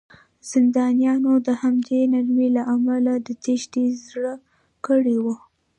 زندانیانو د همدې نرمۍ له امله د تېښتې زړه کړی و